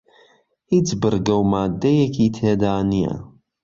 هیچ بڕگە و ماددەیەکی تێدا نییە